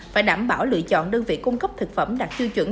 phải đảm bảo lựa chọn đơn vị cung cấp thực phẩm đạt tiêu chuẩn